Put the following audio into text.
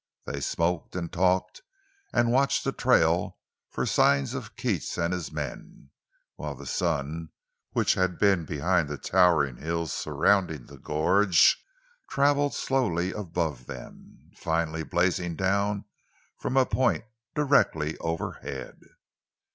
They smoked and talked and watched the trail for signs of Keats and his men; while the sun, which had been behind the towering hills surrounding the gorge, traveled slowly above them, finally blazing down from a point directly overhead.